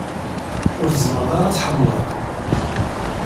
Ur tezmreḍ ara ad tḥemmleḍ ?